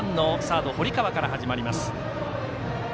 ７番のサード堀川から始まります。